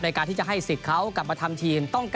การที่จะให้สิทธิ์เขากลับมาทำทีม